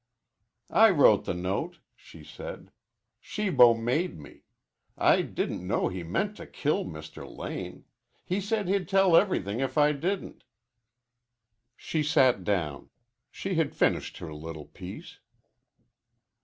"I wrote the note," she said. "Shibo made me. I didn't know he meant to kill Mr. Lane. He said he'd tell everything if I didn't." She sat down. She had finished her little piece.